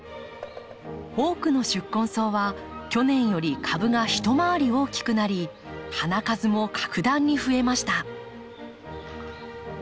多くの宿根草は去年より株が一回り大きくなり花数も格段に増えました。